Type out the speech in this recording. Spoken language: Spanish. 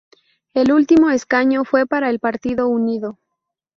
El último escaño fue para el Partido Unido.